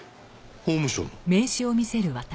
法務省の。